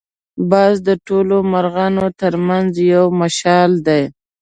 باز د ټولو مرغانو تر منځ یو مشال دی